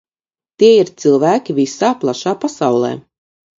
Tie ir cilvēki visā plašā pasaulē.